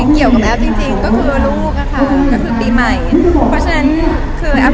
เห็งแนวจริงก็คือลูกก็แค่คือปีใหม่พอชันต่อก็ได้